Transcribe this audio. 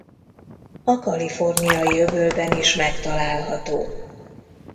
A Kaliforniai-öbölben is megtalálható.